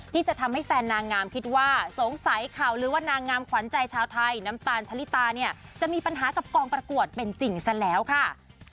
ที่จะทำให้แฟนนางงามคิดว่าสงสัยข่าวลือว่านางงามขวัญใจชาวไทยน้ำตาลชะลิตาเนี่ยจะมีปัญหากับกองประกวดเป็นจริงซะแล้วค่ะ